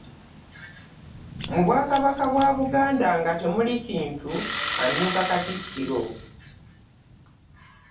Mu Bwakabaka bwa Buganda nga temuli kintu amyuka Katikkiro.